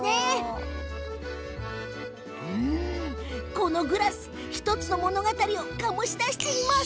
このグラス、１つの物語を醸し出しています。